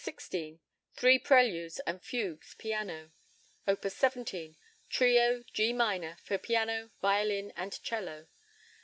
16, Three Preludes and Fugues, piano. Op. 17, Trio, G minor, for piano, violin, and 'cello.